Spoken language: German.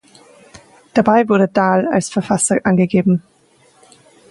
Dabei wurde Dahl als Verfasser angegeben.